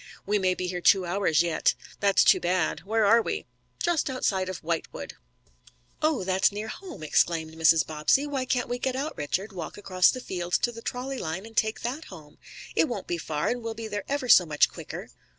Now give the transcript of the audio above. We may be here two hours yet." "That's too bad. Where are we?" "Just outside of Whitewood." "Oh, that's near home!" exclaimed Mrs. Bobbsey. "Why can't we get out, Richard, walk across the fields to the trolley line, and take that home? It won't be far, and we'll be there ever so much quicker."